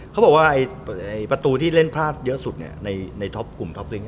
เขาบอกว่าประตูที่เล่นพลาดเยอะสุดในท็อปกลุ่มท็อปซึ้ง